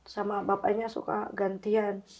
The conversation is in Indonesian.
sama bapaknya suka gantian